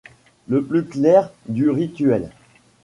Le plus clair du rituel.